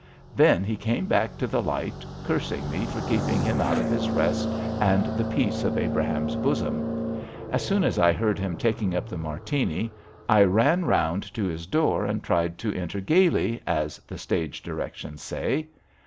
Then he came back to the light, cursing me for keeping him out of his rest and the peace of Abraham's bosom. As soon as I heard him tak ing up the Martini, I ran round to his door and tried to enter gaily, as the stage directions say.